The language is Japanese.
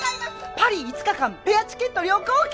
パリ５日間ペアチケット旅行券！